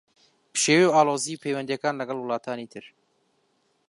پشێوی و ئاڵۆزیی پەیوەندییەکان لەگەڵ وڵاتانی تر